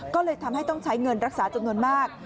ก็เลยทำให้ต้องใช้เงินรักษาจำนวนมาก